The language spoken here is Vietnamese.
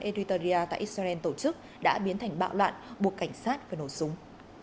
eritrea tại israel tổ chức đã biến thành bạo loạn buộc cảnh sát phải nổ súng